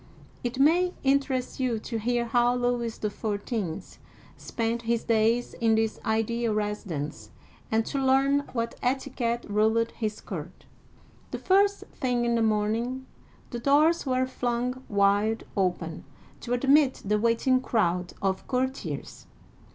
It may interest you to hear how Louis XIV. spent his days in this ideal residence, and to learn what etiquette ruled his court. The first thing in the morning Digitized by Google 332 OLD FRANCE the doors were flung wide open to admit the waiting crowd of courtiers.